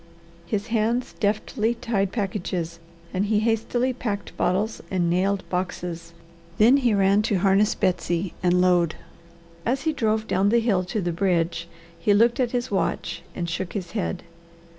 His hands deftly tied packages and he hastily packed bottles and nailed boxes. Then he ran to harness Betsy and load. As he drove down the hill to the bridge he looked at his watch and shook his head.